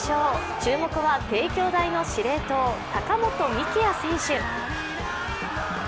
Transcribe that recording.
注目は帝京大の司令塔高本幹也選手。